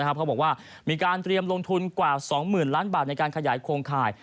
เขาบอกว่ามีการเตรียมลงทุนกว่า๒๐๐๐ล้านบาทในการขยายโครงข่าย